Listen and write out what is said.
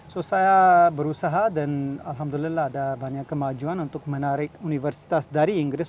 jadi saya berusaha dan alhamdulillah ada banyak kemajuan untuk menarik universitas dari inggris